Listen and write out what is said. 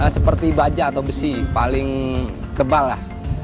seperti baja atau besi paling tebal lah